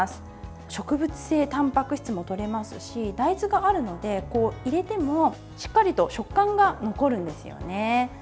植物性たんぱく質もとれますし大豆があるので、入れてもしっかりと食感が残るんですよね。